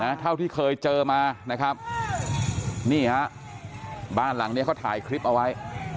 เท่าที่เคยเจอมานะครับนี่ฮะบ้านหลังเนี้ยเขาถ่ายคลิปเอาไว้